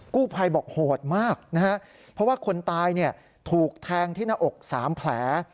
กู้ภัยบอกโหดมากนะฮะเพราะว่าคนตายเนี่ยถูกแทงที่หน้าอก๓แผล